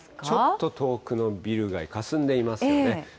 ちょっと遠くのビル街、かすんでいますね。